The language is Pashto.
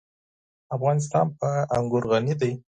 افغانستان په انګور غني دی.